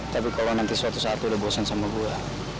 tapi kalau nanti suatu saat udah bosan sama gue